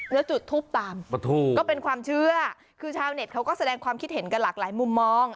แล้วจุดทูปตามก็เป็นความเชื่อคือชาวเน็ตเขาก็แสดงความคิดเห็นกันหลากหลายมุมมอง